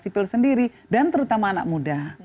sipil sendiri dan terutama anak muda